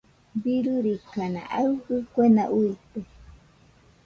Birurikana aɨfo kuena uite.